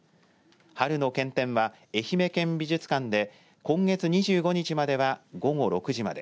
春の県展は愛媛県美術館で今月２５日までは午後６時間まで。